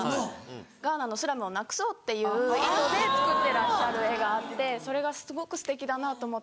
ガーナのスラムをなくそうっていうやつで作ってらっしゃる絵があってすごくすてきだなと思って。